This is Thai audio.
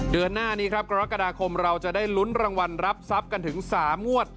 เดือนหน้านี้ครับกรกฎาคมเราจะได้ลุ้นรางวัลรับทรัพย์กันถึง๓งวด